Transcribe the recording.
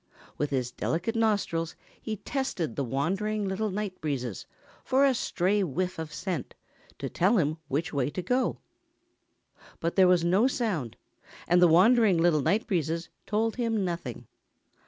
With his delicate nostrils he tested the wandering little Night Breezes for a stray whiff of scent to tell him which way to go. But there was no sound and the wandering little Night Breezes told him nothing.